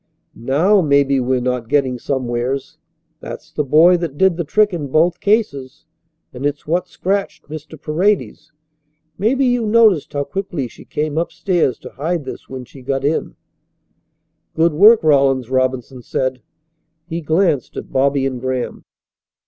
"Now maybe we're not getting somewheres! That's the boy that did the trick in both cases, and it's what scratched Mr. Paredes. Maybe you noticed how quickly she came upstairs to hide this when she got in." "Good work, Rawlins," Robinson said. He glanced at Bobby and Graham.